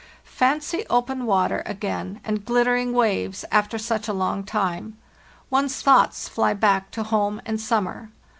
Fancy open water 192 FARTHEST NOKIA again, and glittering waves, after such a long time. One's thoughts fly back to home and summer.